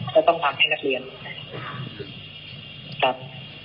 จะต้องพักให้นักเรียนครับ